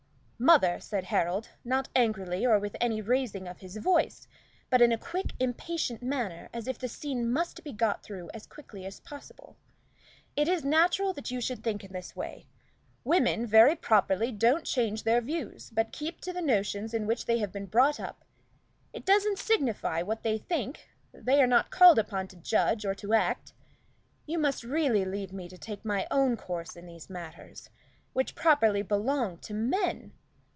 "Mother," said Harold, not angrily or with any raising of his voice, but in a quick, impatient manner, as if the scene must be got through as quickly as possible; "it is natural that you should think in this way. Women, very properly, don't change their views, but keep to the notions in which they have been brought up. It doesn't signify what they think they are not called upon to judge or to act. You must leave me to take my own course in these matters, which properly belong to men.